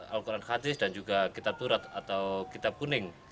al quran khatih dan juga kitab turat atau kitab kuning